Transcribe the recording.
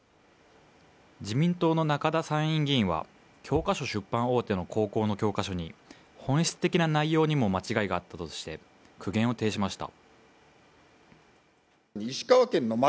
自民党の中田参院議員は、教科書出版大手の高校の教科書に本質的な内容にも間違いがあったとして、苦言を呈しました。